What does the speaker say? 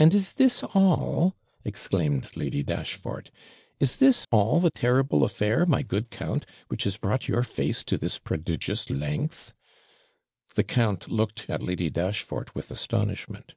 'And is this all?' exclaimed Lady Dashfort. 'Is this all the terrible affair, my good count, which has brought your face to this prodigious length?' The count looked at Lady Dashfort with astonishment.